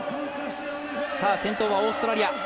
先頭はオーストラリア。